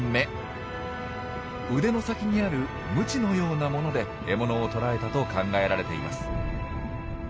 腕の先にある鞭のようなもので獲物を捕らえたと考えられています。